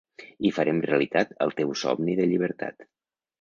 I farem realitat el teu somni de llibertat.